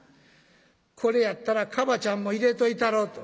これやったらカバチャンも入れといたろうと」。